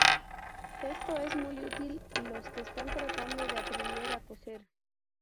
Esto es muy útil los que están tratando de aprender a coser.